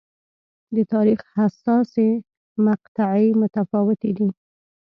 د تاریخ حساسې مقطعې متفاوتې دي.